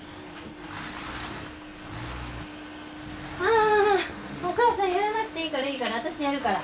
あお母さんやらなくていいからいいから私やるから。